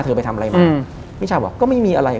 ไปทำอะไรมามิชาบอกก็ไม่มีอะไร